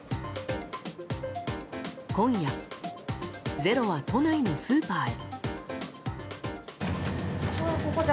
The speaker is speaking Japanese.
今夜、「ｚｅｒｏ」は都内のスーパーへ。